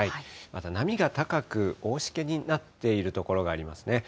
また波が高く、大しけになっている所がありますね。